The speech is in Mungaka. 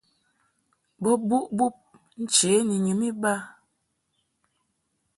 Bo buʼ bub nche ni nyum iba.